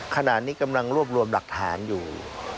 ขณะนี้กำลังรวบรวมหลักฐานอยู่